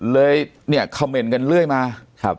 เลยคอมเมนต์กันเรื่อยมา